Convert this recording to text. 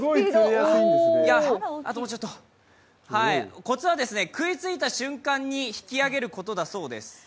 あともうちょっとコツは食いついた瞬間に引き上げることだそうです。